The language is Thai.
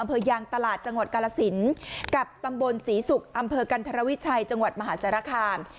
อำเภายางตลาดจังหวัดกาลสินกับตำบลศรีสุคนศ์กันทรวชัยวิทยาคัม